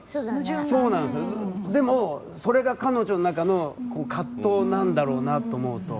でも、それが彼女の中の葛藤なんだろうなと思うと。